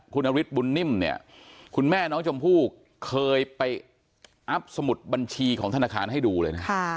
คุณนฤทธิบุญนิ่มเนี่ยคุณแม่น้องชมพู่เคยไปอัพสมุดบัญชีของธนาคารให้ดูเลยนะ